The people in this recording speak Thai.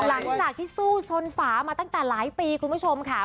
หลังจากที่สู้ชนฝามาตั้งแต่หลายปีคุณผู้ชมค่ะ